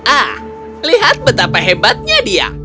ah lihat betapa hebatnya dia